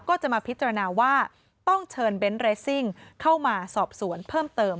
ก็จะมาพิจารณาว่าต้องเชิญเบนท์เรสซิ่งเข้ามาสอบสวนเพิ่มเติม